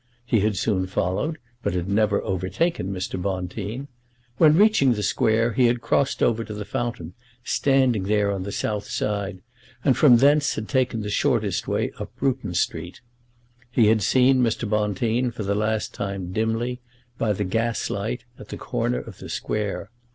He had soon followed, but had never overtaken Mr. Bonteen. When reaching the Square he had crossed over to the fountain standing there on the south side, and from thence had taken the shortest way up Bruton Street. He had seen Mr. Bonteen for the last time dimly, by the gaslight, at the corner of the Square.